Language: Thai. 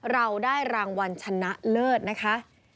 เราได้รางวัลชนะเลิศนะคะ